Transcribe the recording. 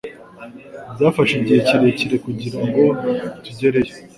Byafashe igihe kirekire kugira ngo tugereyo